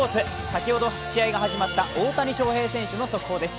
先ほど試合が始まった大谷翔平選手の速報です。